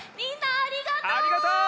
ありがとう！